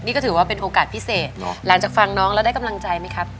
นี่ก็ถือว่าเป็นโอกาสพิเศษหลังจากฟังน้องแล้วได้กำลังใจไหมครับ